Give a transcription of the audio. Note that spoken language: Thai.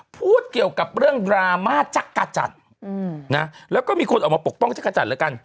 พูดเกี่ยวกับเรื่องดราม่าจักรจันทร์นะแล้วก็มีคนออกมาปกป้องจักรจันทร์แล้วกัน